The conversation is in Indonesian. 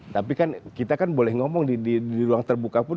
tapi kan kita kan boleh ngomong di ruang terbuka pun